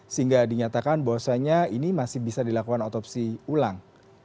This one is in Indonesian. sehingga dinyatakan bahwasannya ini masih bisa dilakukan otopsi ulang